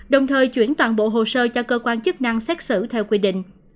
đồng thời chuyển toàn bộ hồ sơ cho cơ quan chức năng xét xử theo quy định